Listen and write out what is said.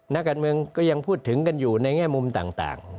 นักการเมืองก็ยังพูดถึงกันอยู่ในแง่มุมต่าง